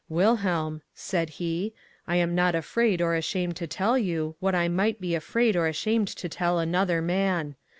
'Wilhelm,' said he, 'I am not afraid or ashamed to tell you what I might be afraid or ashamed to tell another man.